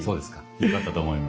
よかったと思います。